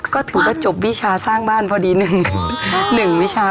ก็ถือว่าจบวิชาสร้างบ้านพอดีหนึ่งวิชา